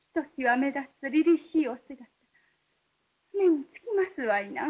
目につきますわいなあ。